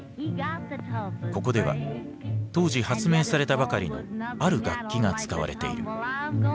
ここでは当時発明されたばかりのある楽器が使われている。